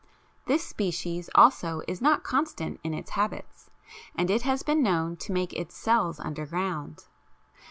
This species also is not constant in its habits, as it has been known to make its cells underground.